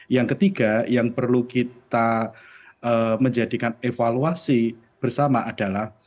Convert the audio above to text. yang ketiga yang perlu kita menjadikan evaluasi bersama adalah